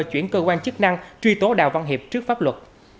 chuyển cơ quan chức năng truy tố đào văn hiệp trước pháp luật